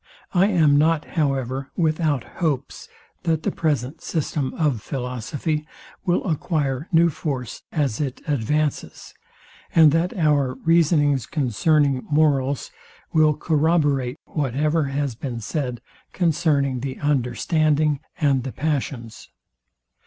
I am not, however, without hopes, that the present system of philosophy will acquire new force as it advances; and that our reasonings concerning morals will corroborate whatever has been said concerning the UNDERSTANDING and the PASSIONS.